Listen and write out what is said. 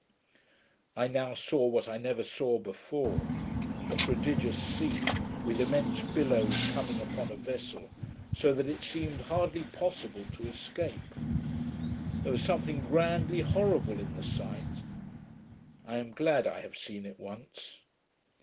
I now saw what I never saw before, a prodigious sea, with immense billows coming upon a vessel, so as that it seemed hardly possible to escape. There was something grandly horrible in the sight. I am glad I have seen it once.